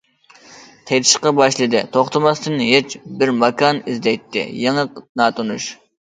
قېچىشقا باشلىدى توختىماستىن ھېچ، بىر ماكان ئىزدەيتتى يېڭى، ناتونۇش.